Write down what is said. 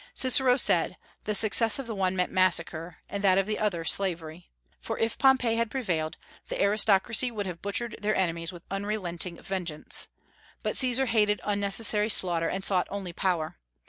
Cicero said, "The success of the one meant massacre, and that of the other slavery," for if Pompey had prevailed, the aristocracy would have butchered their enemies with unrelenting vengeance; but Caesar hated unnecessary slaughter, and sought only power.